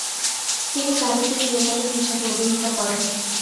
তিনি প্রাকৃতিক নির্বাচন হিসাবে অভিহিত করেন।